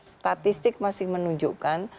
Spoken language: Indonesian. statistik masih menunjukkan